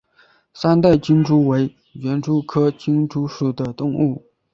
三带金蛛为园蛛科金蛛属的动物。